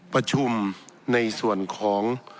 ประชุมในส่วนของ